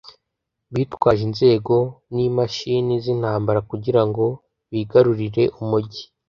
bitwaje inzego n'imashini z'intambara kugira ngo bigarurire umugi